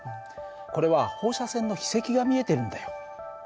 これは放射線の飛跡が見えてるんだよ。